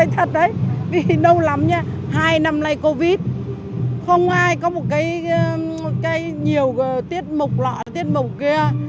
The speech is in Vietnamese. thật đấy vì đâu lắm hai năm nay covid không ai có một cái nhiều tiết mục lọ tiết mục kia